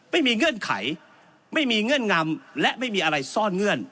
เงื่อนไขไม่มีเงื่อนงำและไม่มีอะไรซ่อนเงื่อน